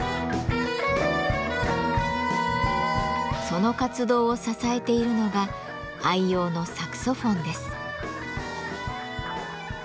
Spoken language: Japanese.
その活動を支えているのが愛用のサクソフォンです。